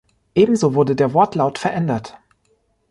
Ebenso wurde der Wortlaut verändert.